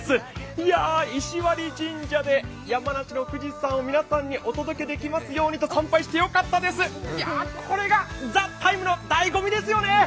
いやぁ、石割神社で山梨の富士山を皆さんにお届けできるようにと参拝してよかったです、これが「ＴＨＥＴＩＭＥ，」のだいご味ですよね。